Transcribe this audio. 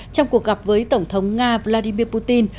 trong cuộc gặp với tổng thống nga vladimir putin